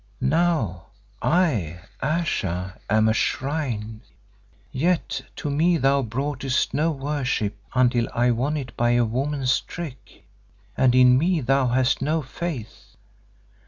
"Now I, Ayesha, am a shrine; yet to me thou broughtest no worship until I won it by a woman's trick, and in me thou hast no faith.